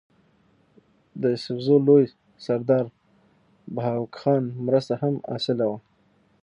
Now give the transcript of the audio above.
د يوسفزو لوئ سردار بهاکو خان مرسته هم حاصله وه